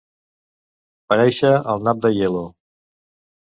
Parèixer el nap d'Aielo.